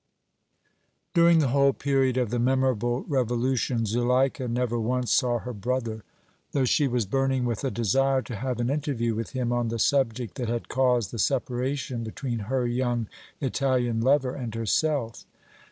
During the whole period of the memorable Revolution Zuleika never once saw her brother, though she was burning with a desire to have an interview with him on the subject that had caused the separation between her young Italian lover and herself.